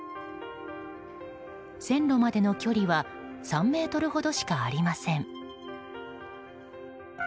線路までの距離は３ｍほどしかありません。